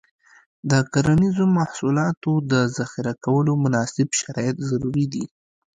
د کرنیزو محصولاتو د ذخیره کولو مناسب شرایط ضروري دي.